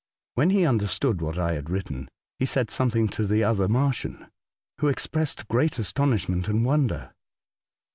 When he understood what I had written, he said something to the other Martian, who expressed great astonishment and wonder.